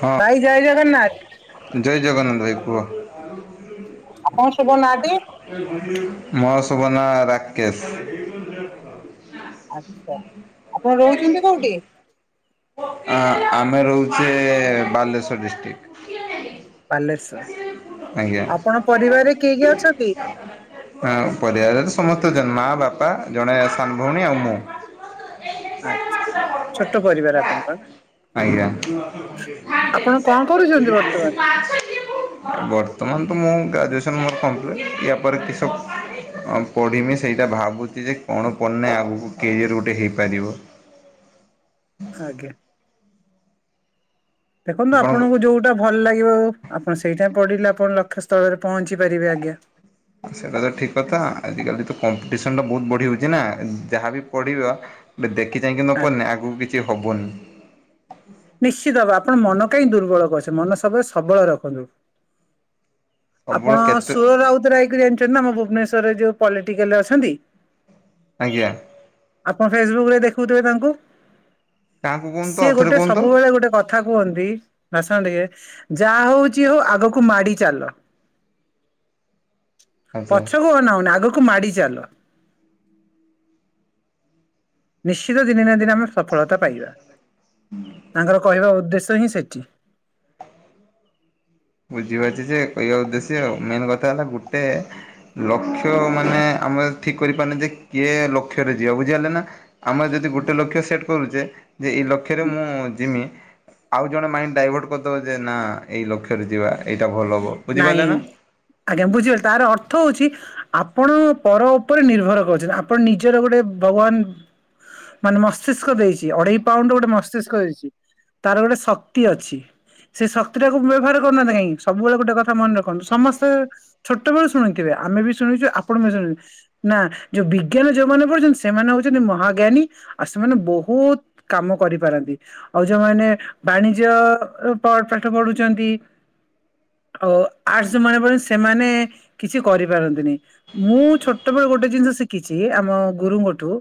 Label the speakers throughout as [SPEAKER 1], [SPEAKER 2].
[SPEAKER 1] ହଁ
[SPEAKER 2] ଭାଇ ଜୟ ଜଗନ୍ନାଥ
[SPEAKER 1] ଜୟ ଜଗନ୍ନାଥ ଭାଇ କୁହ।
[SPEAKER 2] ଆପଣଙ୍କ ଶୁଭ ନାଁ ଟି?
[SPEAKER 1] ମୋ ଶୁଭ ନା ରାକେଶ [unintelligible]
[SPEAKER 2] ଆଚ୍ଛା ଆପଣ ରହୁଛନ୍ତି କୋଉଠି?
[SPEAKER 1] ଆ ଆମେ ରହୁଚେ-ଏ-ଏ ବାଲେସ୍ୱର ଡିଷ୍ଟ୍ରିକ୍ଟ। [unintelligible] ଆଜ୍ଞା।
[SPEAKER 2] ବାଲେସ୍ୱର। ଆପଣ ପରିବାରରେ କିଏ କିଏ ଅଛନ୍ତି?
[SPEAKER 1] ପରିବାରରେ ତ ସମସ୍ତେ ଅଛନ୍ତି ମାଆ, ବାପା, ଜଣେ ସାନ ଭଉଣୀ ଆଉ ମୁଁ।
[SPEAKER 2] ଆଛା ଛୋଟ ପରିବାର ଆପଣଙ୍କର ନା।
[SPEAKER 1] ଆଜ୍ଞା।
[SPEAKER 2] ଆପଣ କଣ କରୁଛନ୍ତି ବର୍ତ୍ତମାନ
[SPEAKER 1] [unintelligible] ବର୍ତ୍ତମାନ ତ ମୁଁ ଗ୍ରାଜୁଏସନ୍ ମୋର କଂପ୍ଲିଟ୍। ୟା ପରେ କିଶ ଅ ପଢ଼ିମି ସେଇଟା ଭାବୁଚି ଯେ କଣ ପଢିନେ ଆଗକୁ କ୍ୟାରିଅର ଗୋଟେ ହେଇପାରିବ।
[SPEAKER 2] ଆଜ୍ଞା। ଦେଖନ୍ତୁ
[SPEAKER 1] ଆପଣଙ୍କ
[SPEAKER 2] ଆପଣଙ୍କୁ ଯୋଉଟା ଭଲ ଲାଗିବ ଆପଣ ସେଇଠା ପଢିଲେ ଆପଣ ଲକ୍ଷ୍ୟ ସ୍ଥଳରେ ପହଞ୍ଚି ପାରିବେ ଆଜ୍ଞା।
[SPEAKER 1] ସେଟା ତ ଠିକ କଥା ଆଜିିକାଲି ତ କପ ସନ ବୋହୁତ ବଢି ହୋଉଚିନା ପଢିବା ଏବେ ଦେ କି କାହିଁକି ନ
[SPEAKER 2] ଆଜ୍ଞା
[SPEAKER 1] ପଢ଼ିନେ ଆଗକୁ କିଛି ହବନି।
[SPEAKER 2] ନିଶ୍ଚିତ ଭାବେ ଆପଣ ମନ କାହିଁ ଦୁର୍ବଳ କରୁଛନ୍ତି ମନ ସବୁବେଳେ ସବଳ ରଖନ୍ତୁ।
[SPEAKER 1] ସବୁବେଳେ
[SPEAKER 2] ଆପଣ
[SPEAKER 1] କେତେ
[SPEAKER 2] ସୁର ରାଉତରାୟକୁ ଜାଣିଚନ୍ତି ନା ଆମ ଭୁବନେଶ୍ୱରରେ ଯେଉ ପଲିଟିକାଲରେ ଅଛନ୍ତି?
[SPEAKER 1] ଆଜ୍ଞା।
[SPEAKER 2] ଆପଣ ଫେସବୁକ ରେ ଦେଖଉଥିବେ ତାଙ୍କୁ?
[SPEAKER 1] କାହାକୁ କୁହନ୍ତୁ ତ
[SPEAKER 2] ସିଏ
[SPEAKER 1] ଆଉଥରେ
[SPEAKER 2] ଗୋଟେ
[SPEAKER 1] କୁହନ୍ତୁ
[SPEAKER 2] ସବୁବେଳେ ଗୋଟେ କଥା କୁହନ୍ତି ଭାଷଣ ଟିକେ ଯାହା ହଉଛି ହଉ ଆଗକୁ ମାଡି ଚାଲ।
[SPEAKER 1] ଆଚ୍ଛା।
[SPEAKER 2] ପଛକୁ ଅନାଅନି ଆଗକୁ ମାଡି ଚାଲ। ନିଶ୍ଚିତ ଦିନେ ନା ଦିନେ ଆମେ ସଫଳତା ପାଇବା। ତାଙ୍କର କହିବା ଉଦ୍ଦେ ସ ହିଁ ସେଠି।
[SPEAKER 1] ବୁଝିପାରୁଚି ଯେ କହିବା ଉଦ୍ଦେଶ୍ୟ ମେନ କଥା ହେଲା ଗୋଟେ ଲକ୍ଷ୍ୟ ମାନେ ଆମେ ଠିକ୍ କରିପାରନେ ଯେ କିଏ ଲକ୍ଷ୍ୟରେ ଯିବ ବୁଝିପାରିଲେ ନା ଆମେ ଯଦି ଗୋଟେ ଲକ୍ଷ୍ୟ ସେଟ୍ କରୁଚେ ଯେ ଏଇ ଲକ୍ଷ୍ୟରେ ମୁଁ ଜିମି ଆଉ ଜଣେ ମାଇଣ୍ଡ ଡାଇଭର୍ଟ କରିଦବ ଯେ ନା ଏଇ ଲକ୍ଷ୍ୟରେ ଯିବା ଏଇ
[SPEAKER 2] ନାଇଁ ଆଜ୍ଞା ବୁଝିଗଲି ତାର ଅର୍ଥ ହଉଛି ଆପଣ ପର ଉପରେ ନିର୍ଭର କରୁଚନ୍ତି ଆପଣ ନିଜର ଗୋଟେ ଭଗବାନ ମାନେ ମସ୍ତିଷ୍କ ଦେଇଚି ଅଢେଇ ପାଉଣ୍ଡ ଗୋଟେ ମସ୍ତିଷ୍କ ଦେଇଚି ତାର ଗୋଟେ ଶକ୍ତି ଅଛି। ସେ ଶକ୍ତି ଟାକୁ ବ୍ୟବହାର କରୁନାହାନ୍ତି କହିଁକି ସବୁବେଳେ ଗୋଟେ କଥା ମନେ ରଖନ୍ତୁ ସମସ୍ତେ ଛୋଟବେଳୁ ଶୁଣିଥିବେ ଆମେ ବି ଶୁଣିଚୁ ଆପଣ ବି ଶୁଣି ନା ଯୋଉ ବିଜ୍ଞାନ ଯୋଉମାନେ ପୁଢୁଚନ୍ତି ସେମାନେ ହଉଚନ୍ତି ମହାଜ୍ଞାନୀ ଆଉ ସେମାନେ ବହୁତ କାମ କରିପାର ନ୍ତି ଆଉ ଯୋଉମାନେ ବାଣିଜ୍ୟ ଅ ପାଠ ପଢୁଚନ୍ତି ଆଉ ଆର୍ଟ୍ସ ଯୋଉମାନେ ପଢ଼ିଚନ୍ତି, ସେମାନେ କିଛି କରିପାରନ୍ତିନି। ମୁଁ ଛୋଟବେଳେ ଗୋଟେ ଜିନିଷ ଶିଖିଚି ଆମ ଗୁରୁଙ୍କଠୁ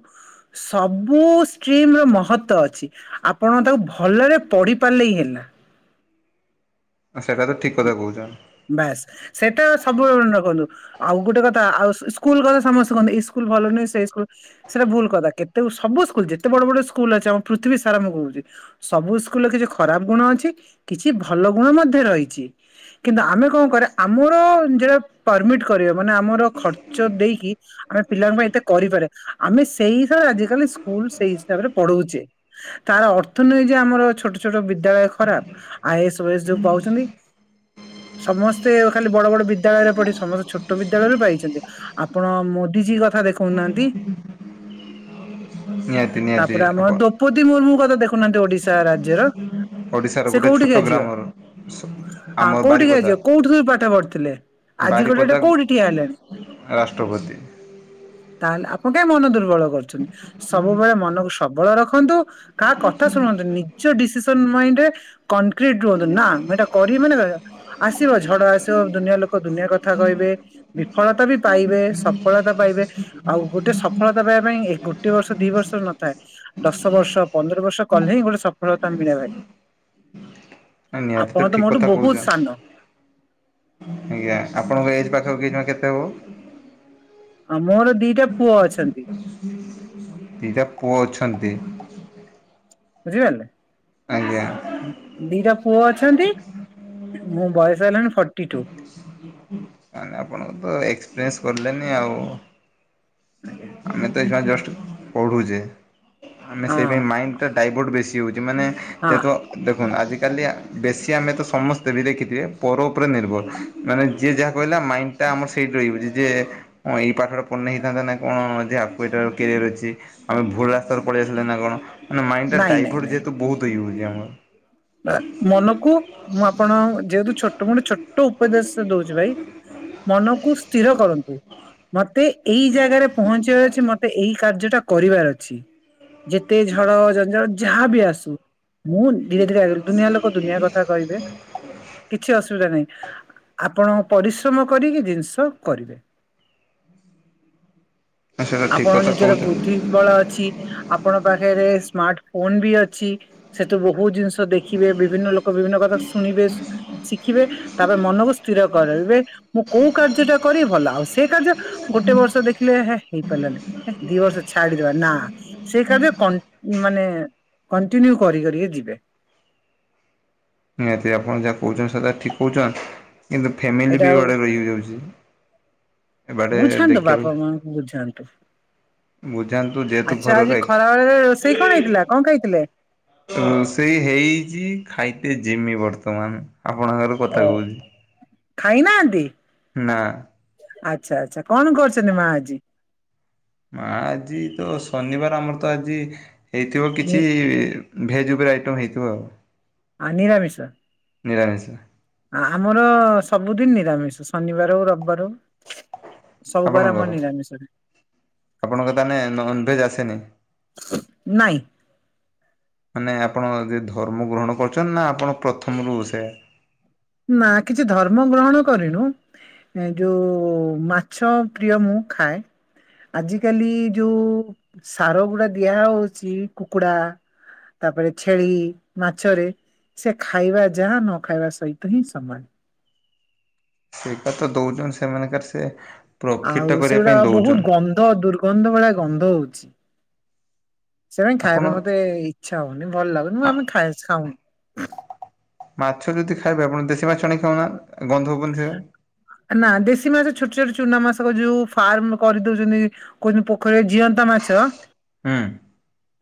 [SPEAKER 2] ସବୁ ଷ୍ଟ୍ରିମ୍ ର ମହତ୍ୱ ଅଛି। ଆପଣ ତାକୁ ଭଲରେ ପଢି ପାରିଲେ ହି ହେଲା।
[SPEAKER 1] ସେଇଟା ତ ଠିକ୍ କଥା କହୁଛନ୍ତି
[SPEAKER 2] ବାସ୍ ସେଟା ସବୁବେଳେ ମନେ ରଖନ୍ତୁ। ଆଉ ଗୋଟେ କଥା ଆଉ ସ ସ୍କୁଲ କଥା ସମସ୍ତେ କହନ୍ତି ଏଇ ସ୍କୁଲ ଭଲ ନୁହଁ ସେଇ ସ୍କୁଲ ସେଇଟା ଭୁଲ କଥା। କେତେ ସବୁ ସବୁ ସ୍କୁଲ ଯେତେ ବଡ ବଡ ସ୍କୁଲ ଅଛି ଆମ ପୃଥିବୀ ସାର ମୁଁ କହୁଚି, ସବୁ ସ୍କୁଲରେ କିଛି ଖରାପ ଗୁଣ ଅଛି କି କିଛି ଭଲ ଗୁଣ ମଧ୍ୟ ରହିଚି। କିନ୍ତୁ ଆମେ କଣ କରେ ଆମର ଯୋଉଟା ପରମିଟ କରିବା ମାନେ ଆମର ଖର୍ଚ୍ଚ ଦେଇକି ଆମେ ପିଲାଙ୍କ ପାଇଁ ଏତେ କରିପାରେ ଆମେ ସେଇ ହିସାବରେ ଆଜିକାଲି ସ୍କୁଲ ସେଇ ହିସାବରେ ପଢଉଚେ। ତାର ଅର୍ଥ ନୁହେଁ ଯେ ଆମର ଛୋଟ ଛୋଟ ବିଦ୍ୟାଳୟ ଖରାପ ଆ ଇ ଏସ୍ ଓ ଏସ୍ ଯୋଉ ପାଉଚନ୍ତି। [inaudible] ସମସ୍ତେ ଖାଲି ବଡ ବଡ ବିଦ୍ୟାଳୟରେ ପଢି ସମସ୍ତେ ଛୋଟ ବିଦ୍ୟାଳୟରୁ ପାଇଛନ୍ତି। ଆପଣ ମୋଦିଜୀ କ ଦେଖଉନାହାନ୍ତି।
[SPEAKER 1] ନିହାତି ନିହାତି
[SPEAKER 2] ତାପରେ ଆମ
[SPEAKER 1] ଆପଣ
[SPEAKER 2] ଦ୍ରୌପଦୀ ମୁର୍ମୁଙ୍କ କଥା ଦେଖୁନାହାନ୍ତି ଓଡିଶା ରାଜ୍ୟର।
[SPEAKER 1] ଓଡିଶାର
[SPEAKER 2] ସେ
[SPEAKER 1] ଗୋଟେ
[SPEAKER 2] କୋଉଠିକି
[SPEAKER 1] ଛୋଟ
[SPEAKER 2] ଆଜିବ
[SPEAKER 1] ଗ୍ରାମର
[SPEAKER 2] ହଁ
[SPEAKER 1] ଆମ
[SPEAKER 2] କୋଉଠିକି
[SPEAKER 1] ବାରିପଦା
[SPEAKER 2] ଆସିବ କୋଉଠି ତୁ ପାଠ ପଢିଥିଲେ? ଆଜି ଗୋଟେ
[SPEAKER 1] ବାରିପଦା
[SPEAKER 2] କୋଉଠି ଠିଆ ହେଲେ?
[SPEAKER 1] ରାଷ୍ଟ୍ରପତି
[SPEAKER 2] ତାହେଲେ ଆପଣ କାହିଁ ମନ ଦୁର୍ବଳ କରୁଛନ୍ତି। ସବୁବେଳେ ମନକୁ ସବଳ ରଖନ୍ତୁ। କାହା କଥା ଶୁଣନ୍ତୁନି। ନିଜ ଡିସିସନ ମାଇଣ୍ଡରେ କଣକ୍ରିଟ ରୁହନ୍ତୁ। ନା ମୁଁ ଏଇଟା କରିବି ମାନେ କରି ଆସିବ ଝଡ ଆସିବ ଦୁନିଆ ଲୋକ ଦୁନିଆ କଥା କହିବେ। ବିଫଳତା ବି ପାଇବେ। ସଫଳ ସଫଳତା ପାଇବେ ଆଉ ଗୋଟେ ସଫଳତା ପାଇବା ପାଇଁ ଗୋଟେ ବର୍ଷ ଦି ବର୍ଷ ନଥାଏ । ଦଶ ବର୍ଷ ପନ୍ଦର ବର୍ଷ କଲେ ହିଁ ଗୋଟେ ସଫଳତା ମିଳେ ଭାଇ।
[SPEAKER 1] ନିହାତି
[SPEAKER 2] ଆପଣ
[SPEAKER 1] ତ ଠିକ
[SPEAKER 2] ମୋଠୁ
[SPEAKER 1] କଥା କହୁଛ
[SPEAKER 2] ବହୁତ ସାନ।
[SPEAKER 1] ଆଜ୍ଞା ଆପଣଙ୍କ ଏଜ୍ ପାଖା ପାଖି ଏଇନେ କେତେ ହବ?
[SPEAKER 2] ଆଉ ମୋର ଦିଟା ପୁଅ ଅଛନ୍ତି।
[SPEAKER 1] ଦିଟା ପୁଅ ଅଛନ୍ତି।
[SPEAKER 2] ବୁଝିପାରିଲେ।
[SPEAKER 1] ଆଜ୍ଞା।
[SPEAKER 2] ଦିଟା ପୁଅ ଅଛନ୍ତି। ମୁଁ ବୟସ ହେଲାଣି ଫର୍ଟି ଟୁ।
[SPEAKER 1] [unintelligible] ଆପଣ ତ ଏକ୍ସପିରିଏନ୍ସ କଲେନି ଆଉ।
[SPEAKER 2] ଆଜ୍ଞା
[SPEAKER 1] ଆମେ ତ ଜଷ୍ଟ ପଢୁଚେ ଆମେ
[SPEAKER 2] ହଁ
[SPEAKER 1] ସେଇ ମାଇଣ୍ଡ ଟା ଡାଇଭର୍ଟ ବେ ମାନେ
[SPEAKER 2] ହଁ
[SPEAKER 1] ଯେହେତୁ ଦେଖନ୍ତୁ ଆଜି କାଲି ବେଶୀ ଆମେ ତ ସମସ୍ତେ ବି ଦେଖିଥିବେ ପର ଉପରେ ନିର୍ଭର। ମାନେ ଯିଏ ଯାହା କହିଲା ମାଇଣ୍ଡ ଆମର ସେଇଠି ରହିିବ। ଯେଁ ଏଇ ପାଠଟା ପଢିନେ ହେଇଥାନ୍ତା ନା କଣ ଆଗାଁକୁ ଏଇଟାର କ୍ୟାରିୟର ଅଛି ଆମେ ଭୁଲ ରାସ୍ତାରେ ପଳେଇ ଆସିଲେ ନା କଣ। ମାନେ ମାଇଣ୍ଡ ଟା
[SPEAKER 2] ନାଇଁ ନାଇଁ
[SPEAKER 1] ଡାଇଭଟ
[SPEAKER 2] ନାଇଁ
[SPEAKER 1] ଯେହେତୁ ବହୁତ ହେଇ ହଉଚି ଆମର।
[SPEAKER 2] ମନକୁ ମୁଁ ଆପଣ ଯେହେତୁ ଛୋଟ ମୋଟ ଗୋଟେ ଛୋଟ ଉପଦେଶ ଦଉଛି ଭାଇ। ମନକୁ ସ୍ଥିର କରନ୍ତୁ। ମତେ ଏଇ ଜାଗାରେ ପହଞ୍ଚିବାର ଅଛି ମତେ ଏଇ କାର୍ଯ୍ୟ ଟା କରିବାର ଅଛି। ଯେତେ ଝଡ଼ ଜଞ୍ଜାଳ ଯାହାବି ଆସୁ। ମୁଁ ଧୀରେ ଧୀରେ ଦୁନିଆ ଲୋକ ଦୁନିଆ କଥା କହିବେ। କିଛି ଅସୁବିଧା ନାହିଁ। ଆପଣ ପରିଶ୍ରମ କରିକି ଜିନିଷ କରିବେ।
[SPEAKER 1] ହଁ ସେଇଟା ଠିକ୍
[SPEAKER 2] ଆପଣ
[SPEAKER 1] କଥା
[SPEAKER 2] ନିଜର
[SPEAKER 1] କହୁଛ।
[SPEAKER 2] ବୁଦ୍ଧି ବଳ ଅଛି। ଆପଣ ପାଖରେ ସ୍ମାର୍ଟ ଫୋନ ବି ଅଛି। ସେଠୁ ବହୁ ବହୁତ ଜିନିଷ ଦେଖିବେ ବିଭିନ୍ନ ଲୋକ ବିଭିନ୍ନ କଥା ଶୁଣିବେ ଶିଖିବେ ତାପରେ ମନକୁ ସ୍ଥିର କର ମୁଁ କୋଉ କାର୍ଯ୍ୟଟା କରିବି ଭଲ। ଆଉ ସେ କାର୍ଯ୍ୟ ଗୋଟେ ବର୍ଷ ଦେଖିଲେ ହେଇପାରିଲାନି। ହେ ଦି ବର୍ଷ ଛାଡିଦବା ନା ସେଇ କାଯ୍ୟ ମାନେ କଣ୍ଟିନ୍ୟୁ କରି କରିକେ ଯିବେ। [inaudible]
[SPEAKER 1] ଏଦି ଆପଣ ଯାହା କହୁଛନ୍ତି ସେଟା ଠିକ୍ କହୁଛନ୍ତି। କିନ୍ତୁ ଫ୍ୟାମିଲି
[SPEAKER 2] ଏଇଟା
[SPEAKER 1] ବି
[SPEAKER 2] ଆଉ
[SPEAKER 1] ୟାଡ ରହି ଯାଉଛି।
[SPEAKER 2] ବୁଝାନ୍ତୁ ବାପା ମାଙ୍କୁ ବୁଝାନ୍ତୁ।
[SPEAKER 1] ବୁଝାନ୍ତୁ ଯେହେତୁ
[SPEAKER 2] ଆଚ୍ଛା
[SPEAKER 1] ଘରର
[SPEAKER 2] ଆଜି ଖରା ବେଳରେ ରୋଷେଇ କଣ ହେଇଥିଲା କଣ ଖାଇ ଥିଲେ?
[SPEAKER 1] ରୋଷେଇ ହେଇଛି ଖାଇତେ ଯିମି ବର୍ତ୍ତମାନ। ଆପଣଙ୍କ ଆଗରେ
[SPEAKER 2] ଓ
[SPEAKER 1] କଥା କହୁଛି।
[SPEAKER 2] ଖାଇନାହାନ୍ତି?
[SPEAKER 1] ନା।
[SPEAKER 2] ଆଚ୍ଛା ଆଚ୍ଛା କଣ କରୁଛନ୍ତି ମା ଆଜି?
[SPEAKER 1] ମା ଆଜି ତ ଶନିବାର ଆମର ତ ଆଜି ହେଇଥିବ
[SPEAKER 2] ନି
[SPEAKER 1] କିଛି ଭେଜ ଉ ଆଇଟମ୍ ହେଇଥିବ ଆଉ।
[SPEAKER 2] ଆଁ ନିରାମିଶ।
[SPEAKER 1] ନିରାମିଷ।
[SPEAKER 2] ଆ ଆମର ସବୁଦିନ ନିରାମିଷ ଶନିବାର ହଉ ରବିବାର ହଉ। ସବୁବାରେ ଆମର
[SPEAKER 1] ଆପଣଙ୍କର
[SPEAKER 2] ନିରାମିଷ।
[SPEAKER 1] ଆପଣଙ୍କ ତାନେ ନନଭେଜ୍ ଆସେନି?
[SPEAKER 2] ନାଇଁ।
[SPEAKER 1] ମାନେ ଆପଣ ଯ ଧର୍ମ ଗ୍ରହଣ କରୁଛନ୍ତି ନା ଆପଣ ପ୍ରଥମରୁ ସେୟା।
[SPEAKER 2] ନା କିଛି ଧର୍ମ ଗ୍ରହଣ କରିନୁ। ଏ ଯୋଉ ମାଛ ପ୍ରିୟ ମୁଁ ଖାଏ। ଆଜିକାଲି ଯୋଉ ସାର ଗୁଡ଼ା ଦିଆହଉଛି କୁକୁଡା। ତାପରେ ଛେଳି ମାଛରେ ସେ ଖାଇବା ଯାହା ନ ଖାଇବା ସହି ତହିଁ ସମାନ।
[SPEAKER 1] ସେଇଟାତ ଦୋଉଛନ୍ତି ସେମାନେ ସେ
[SPEAKER 2] ଆଉ
[SPEAKER 1] ପ୍ରଫିଟଟା କରିବା
[SPEAKER 2] ସେଗୁଡା
[SPEAKER 1] ପାଇଁ
[SPEAKER 2] ବହୁତ୍
[SPEAKER 1] ଦଉଛନ୍ତି
[SPEAKER 2] ଗନ୍ଧ ଦୁର୍ଗନ୍ଧ ଭଳିଆ ଗନ୍ଧ ହଉଛି। ସେପାଇଁ
[SPEAKER 1] ଆପଣ
[SPEAKER 2] ଖାଇବା ପାଇଁ ମୋତେ ଇଚ୍ଛା ହଉନି ଭଲ ଲାଗୁନି ମୁଁ ଆମେ ଖା ଖାଉନୁ।
[SPEAKER 1] ମାଛ ଯଦି ଖାଇବେ ଆପଣ ଦେଶୀ ମାଛ ନେଇକି ଖାଉ ନାହାନ୍ତି।
[SPEAKER 2] ନାଦେଶୀ ମାଛ ଛୋଟ ଛୋଟ। ଚୁନା ମାଛ ଯୋଉ ଫାର୍ମ କରିଦଉଛନ୍ତି କହୁଛନ୍ତି ପୋଖରୀରେ ଜିଅନ୍ତା ମାଛ।
[SPEAKER 1] ହୁଁ।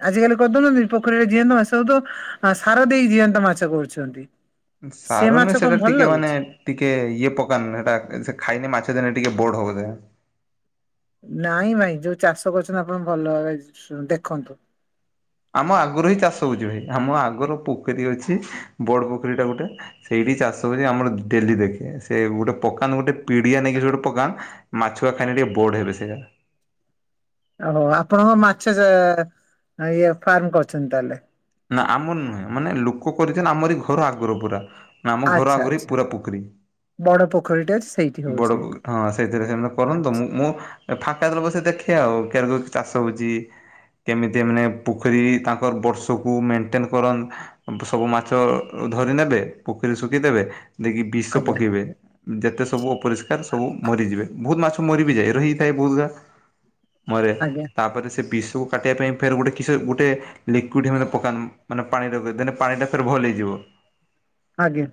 [SPEAKER 2] ଆଜିକାଲି କରିଦଉନାହାନ୍ତି ପୋଖରୀରେ ଜୀଅନ୍ତା ମାଛ ସବୁ ତ ସାର ଦେଇଜିଅନ୍ତା ମାଛ କରୁଛନ୍ତି। ସେ
[SPEAKER 1] ସାର
[SPEAKER 2] ମାଛ
[SPEAKER 1] ନୁହେ
[SPEAKER 2] କଣ
[SPEAKER 1] ସେଟା
[SPEAKER 2] ଭଲ
[SPEAKER 1] ଟିକେ ମାନେ
[SPEAKER 2] ଲାଗୁଛି?
[SPEAKER 1] ଟିକେ ଇଏ ପକାର ସେଟା ସେ ଖାଇନେ ମାଛ ଜାନେ। ଟିକେ ବଢ ବୋଧେ।
[SPEAKER 2] ନାଇଁ ଭାଇ ଯୋଉ ଚାଷ କରୁଛନ୍ତି ଆପଣ ଭଲ ଭାବେ ଦେଖନ୍ତୁ।
[SPEAKER 1] ଆମ ଆଗରୁ ହିଁ ଚାଷ ହଉଛି ଭାଇ ଆମ ଆଗରୁ ପୋଖରୀ ଅଛି ବଡ ପୋଖରୀ ଟା ଗୋଟେ ସେଇ ଏଠି ଚାଷ ହୋଉଛି ଆମର ଡେଲି ଦେଖେ ସେ ଗୋଟେ ପକାନ ଗୋଟେ ପିଡିଆ ନେଇକି ସେ ଗୋଟେ ପକାନ ମାଛ ଖାଇଲେ ଟିକେ ବଡେ ବେଶି।
[SPEAKER 2] ଓହୋ ଆପଣଙ୍କ ମାଛ ଇଏ ଫାର୍ମ କରୁଛନ୍ତି ତାହେଲେ।
[SPEAKER 1] ନା ଆମର ନୁହେଁ ମାନେ ଲୋକ କରିଛନ୍ତି ଆମରି ଘର ଆଗରେ ପୁରା। ନା ଆମ ଘର
[SPEAKER 2] ଆଚ୍ଛା
[SPEAKER 1] ଆଗରେ
[SPEAKER 2] ଆଚ୍ଛା
[SPEAKER 1] ପୁରା ପୋଖରୀ।
[SPEAKER 2] ବଡ ପୋଖରୀଟେ ଅଛି ସେଇଠି
[SPEAKER 1] ବଡ
[SPEAKER 2] ହଉଛି।
[SPEAKER 1] ପୋଖରୀ ହଁ ସେଇଥିରେ ସେମାନେ କରନ୍ତୁ
[SPEAKER 2] ଆଚ୍ଛା
[SPEAKER 1] ମୁଁ ମଁ ଫାଙ୍କା ଯେତେବେଳେ ବସେ ଦେଖେ। ଦେଖେ ଆଉ କେଦୂର ଚାଷ ହଉଛି କେମିତି ମାନେ ପୋଖରୀ ତାଙ୍କର ତାଙ୍କର ବର୍ଷ ସବୁକୁ ମଣ୍ଟେନ କରନ୍ତି ସବୁ ମାଛ ଧରି ନେବେ ପୋଖରୀ ଶୁଖେଇଦେବେ। ଦେଇକି ବିଷ
[SPEAKER 2] ଆଜ୍ଞା
[SPEAKER 1] ପକେଇବେ ଯେତେ ସବୁ ଅପରିଷ୍କାର ସବୁ ମରିଯିବେ ବହୁତ ମାଛ। ମରିବିଯାଏ ରହିଥାଏ ବହୁତଗୁଡ଼ା ମରେ
[SPEAKER 2] ଆଜ୍ଞା
[SPEAKER 1] ତାପେର ସେ ବିଷ ଠୁ କାଟିବା ପାଇଁ ଫେର୍ ଗୋଟେ କିସ ଗୋଟେ ଲି କେଉଁଠି ଏମାନେ ପକାନ ମାନେ ପାଣିରେ ଦେନେ ପାଣି ଟା ଫେରେ ଭଲ ହେଇଯିବ।
[SPEAKER 2] ଆଜ୍ଞା।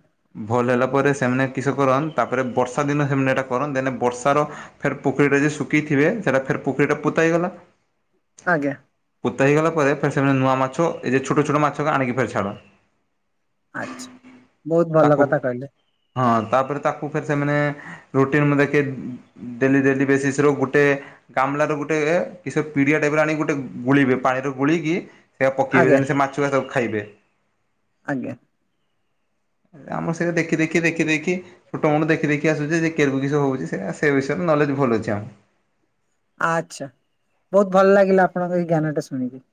[SPEAKER 1] ଭଲ ହେଲା ପରେ ସେମାନେ କିଶ କରନ୍ ତାପରେ ବର୍ଷା ଦିନ ସେମାନେ ଏଟା କରନ୍ ଦେନେ ବର୍ଷାର ଫେର ପୋଖରୀଟା। ଶୁଖେଇଥିବେ ସେଟା ଫେର। ପୋଖରୀଟା ପୋତା ହେଇଗଲା
[SPEAKER 2] ଆଜ୍ଞା
[SPEAKER 1] ପୋତାହେଇଗଲା ପରେ ସେମାନେ ନୂଆ ମାଛ। ମାଛ ଏ ଯେ ଛୋଟ ଛୋଟ ମାଛ କେ ଆନିକି ଫେର୍ ଛାଡନ୍ତି।
[SPEAKER 2] ଆଛା ବହୁତ ଭଲ କଥା କହିଲେ।
[SPEAKER 1] ହଁ ତାପରେ ତାକୁ ଫେର ସେମାନେ ରୁଟିନ୍ ମୁଁ ଦେଖେ ଡେଲି ଡେଲି ବେଶିସ୍ ରୁ ଗୋଟେ। ଗାମଲ ର ଗୋଟେ କି ପିଡିଆ ଟାଇପ୍ ର ଆଣିକି ଗୋଟେ ଗୋଳେଇବେ ପାଣିରେ ଗୋଳିକି। ସେଇଟା ପକେଇବେ
[SPEAKER 2] ଆଜ୍ଞା
[SPEAKER 1] ଦେନ ସେ ମାଛଗୁଡା ସବୁ ଖାଇବେ।
[SPEAKER 2] ଆଜ୍ଞା।
[SPEAKER 1] ଆମର ସେୟା ଦେଖି ଦେଖି ଦେଖି ଦେଖି ଛୋଟ ମୂଳୁ ଦେଖି ଦେଖି ଆସୁଛୁ ସେ କେର କେମିତି ସେ ହଉଛି ସେ ବିଷୟରେ। ନଲେଜ ଭଲ ଅଛି ଆଉ।
[SPEAKER 2] ଆଛା ବୋହୁତ ଭଲ ଲାଗିଲା ଆପଣଙ୍କ ଏଇ ଜ୍ଞାନଟା ଶୁଣିକି।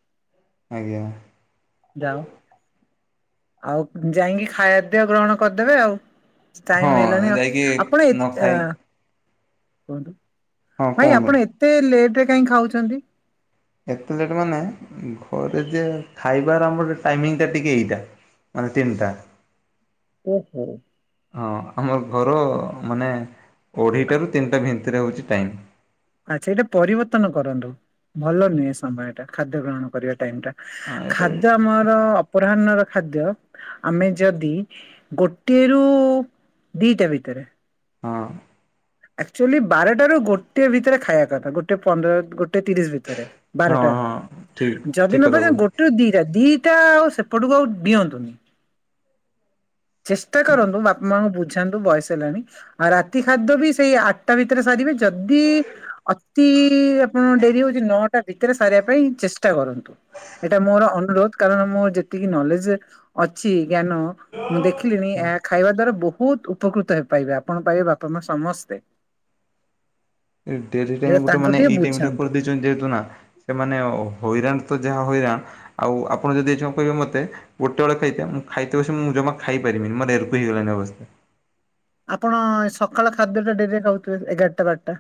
[SPEAKER 1] ଆଜ୍ଞା।
[SPEAKER 2] ଯାଉ ଆଉ ଯାଇକି ଖାଇବାପିଆ ଗ୍ରହଣ କରିଦେବେ ଆଉ।
[SPEAKER 1] ହଁ
[SPEAKER 2] ଟାଇମ ହେଲାଣି
[SPEAKER 1] ଯାଇକି
[SPEAKER 2] ଆପଣ ଏ
[SPEAKER 1] ନ ଖାଇ ହଁ
[SPEAKER 2] ଭାଇ
[SPEAKER 1] କୁହନ୍ତୁ।
[SPEAKER 2] ଆପଣ ଏତେ ଲେଟରେ କାହିଁ ଖାଉଛନ୍ତି।
[SPEAKER 1] ଏତେ ଲେଟ ମାନେ ଘରେ ଯେ ଖାଇବାର ଆମର ଟାଇମିଙ୍ଗଟା ଟିକେ ଏଇଟା। ମାନେ ତିନିଟା।
[SPEAKER 2] ଓହୋ।
[SPEAKER 1] ହଁ ଆମର ଘର ମାନେ ଅଢ଼େଇଟାରୁ ତିନିଟା ଭିନ୍ତିରେ ହେଉଛି ଟାଇମ୍।
[SPEAKER 2] ଆଚ୍ଛା ଏଇଟା ପରିବର୍ତ୍ତନ କରନ୍ତୁ ଭଲ ନୁହେଁ ସମୟଟା ଖାଦ୍ୟ ଗ୍ରହଣ କରିବା ଟାଇମଟା।
[SPEAKER 1] ହଁ ଏଇଟା ବି
[SPEAKER 2] ଖାଦ୍ୟ ଆମର ଅପରାହ୍ନର ଖାଦ୍ୟ ଆମେ ଯଦି ଗୋଟିଏରୁୁ ଦିଟା ଭିତରେ
[SPEAKER 1] ହଁ।
[SPEAKER 2] ଆକ୍ ଚୁଆଲି ବାରଟାରୁ ଗୋଟେ ଭିତରେ ଖାଇବା କଥା ଗୋଟେ ପନ୍ଦର ଗୋ ଗୋଟେ ତିରିଶ ଭିତରେ
[SPEAKER 1] ହଁ
[SPEAKER 2] ବାରଟା
[SPEAKER 1] ହଁ ଠିକ୍
[SPEAKER 2] ଯଦି
[SPEAKER 1] ଠିକ୍
[SPEAKER 2] ନ
[SPEAKER 1] କଥା
[SPEAKER 2] ପାରିବେ
[SPEAKER 1] କହୁଛନ୍ତି
[SPEAKER 2] ଗୋଟେ ରୁ ଦିଟା ଦି ଦିଇଟା ଆଉ ସେପଟକୁ ଆଉ ଡିଅନ୍ତୁନି। ଚେଷ୍ଟା କରନ୍ତୁ ବାପା ମାଙ୍କୁ ବୁ ବୁଝାନ୍ତୁ ବୟସ ହେଲାଣି ଆଉ ରାତି ଖାଦ୍ୟ ବି ସେଇ ଆଠଟା ଭିତରେ ସାରିବେ‌। ଯଦି ଅତି ଆପଣ ଡେରି ହଉଛି ନ ଭିତରେ ସାରିବା ପାଇଁ ଚେଷ୍ଟା କରନ୍ତୁ। ଏଇଟା ମୋର ଅନୁରୋଧ କାରଣ ମୁଁ ଯେତିକି ନଲେଜ ଅଛି ଜ୍ଞାନ। ମୁଁ ଦେଖିଲିଣି ଏହା ଖାଇବା ଦ୍ଵାରା ବହୁ ବହୁତ ଉପକୃତ ହେ ପାଇବେ ଆପଣ ପାଇବେ ବାପା ମା ସମସ୍ତେ।
[SPEAKER 1] ଡେରି ଟାଇମ
[SPEAKER 2] ଏଇଟା
[SPEAKER 1] ଗୋଟେ
[SPEAKER 2] ତାଙ୍କୁ
[SPEAKER 1] ମାନେ
[SPEAKER 2] ଟିକେ
[SPEAKER 1] ଏଇ ଟାଇମଟା
[SPEAKER 2] ବୁଝାନ୍ତୁ।
[SPEAKER 1] କରିଦେଇଛନ୍ତି ଯେହେତୁ ନା ସେମାନେ ହଇରାଣ ତ ଯାହା ହଇରାଣ। ଆଉ ଆପଣ ଯଦି ଏଇଛୁ କହିବେ ମତେ ଗୋଟେଳେ ଖାଇତେ ମୁଁ ଖାଇତେ ବସି ମୁଁ ଜମା ଖାଇ ପାରିବିନି ମାନେ ଏରକମ ହେଇଗଲାଣି। [unintelligible]
[SPEAKER 2] ଆପଣ ସକାଳ ଖାଦ୍ୟଟା ଡେରିରେ ଖାଉଥିବେ ଏଗାରଟା ବାରଟା।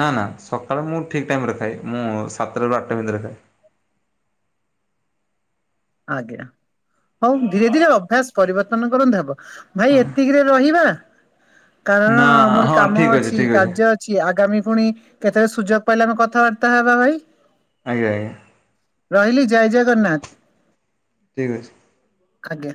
[SPEAKER 1] ନା ନା ସକାଳେ ମୁଁ ଠିକ ଟାଇମରେ ଖାଏ, ମୁଁ ସାତଟାରୁ ଆଠଟା ଭିତରେ ଖାଏ।
[SPEAKER 2] ଆଜ୍ଞା ହଉ ଧୀରେ ଧୀରେ ଅଭ୍ୟାସ ପରିବର୍ତ୍ତନ କରନ୍ତୁ, ହବ। ଭାଇ ଏତିକିରେ ରହିବା। କାରଣ
[SPEAKER 1] ନା
[SPEAKER 2] ଆମର
[SPEAKER 1] ହଁ
[SPEAKER 2] କାମ
[SPEAKER 1] ଠିକ୍
[SPEAKER 2] ଅଛି
[SPEAKER 1] ଠିକ୍
[SPEAKER 2] କାର୍ଯ୍ୟ ଅଛି ଆଗାମୀ ପୁଣି କେତେବେଳେ ସୁଯୋଗ ପାଇଲେ ଆମେ କଥାବାର୍ତ୍ତା ହେବା ଭାଇ।
[SPEAKER 1] ଆଜ୍ଞା ଆଜ୍ଞା।
[SPEAKER 2] ରହିଲି ଜୟ ଜଗନ୍ନାଥ।
[SPEAKER 1] ଠିକ ଅଛି।
[SPEAKER 2] ଖାଜ୍ଞା।